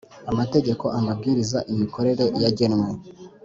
amategeko amabwiriza imikorere yagenwe